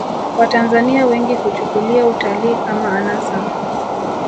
watanzania wengi huchukulia utalii kama anasa